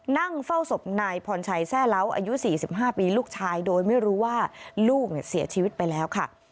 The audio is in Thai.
นั่งเฝ้าศพนายพรชัยแทร่เล้าอายุ๔๕ปีลูกชายโดยไม่รู้ว่าลูกเสียชีวิตไปแล้วค่ะ